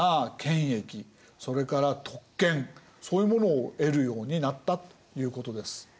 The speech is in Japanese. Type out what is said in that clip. それから特権そういうものを得るようになったということです。